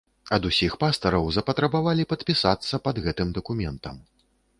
Ад усіх пастараў запатрабавалі падпісацца пад гэтым дакументам.